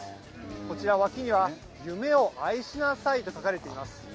こちら、脇には夢を愛しなさいと書かれています。